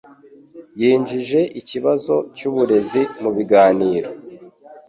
Yinjije ikibazo cyuburezi mubiganiro.